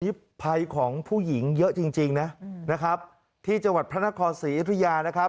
อิภัยของผู้หญิงเยอะจริงนะที่จังหวัดพระนครศรีอิทรยานะครับ